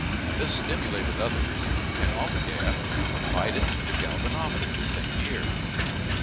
This stimulated others, and Ampère applied it to the galvanometer the same year.